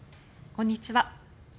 こんにちは。